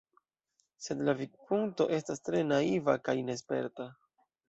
Sed la vidpunkto estas tre naiva kaj nesperta.